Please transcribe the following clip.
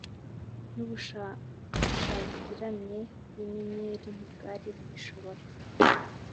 n’ubushashagirane bw’inyenyeri ntibwari bugishobora